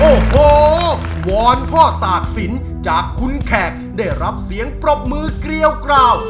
โอ้โหวอนพ่อตากศิลป์จากคุณแขกได้รับเสียงปรบมือเกลียวกราว